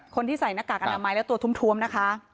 คนที่ใส่หน้ากากอนามัยแล้วตัวทุ่มนะคะ